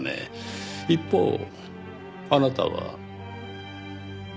一方あなたは。